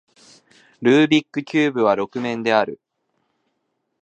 ルービックキューブは六面である